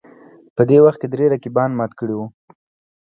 په دې وخت کې درې رقیبان مات کړي وو